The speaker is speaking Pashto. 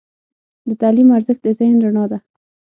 د تعلیم ارزښت د ذهن رڼا ده.